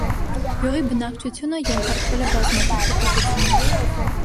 Գյուղի բնակչությունը ենթարկվել է բազմաթիվ փոփոխությունների։